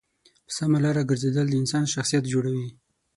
په سمه لاره گرځېدل د انسان شخصیت جوړوي.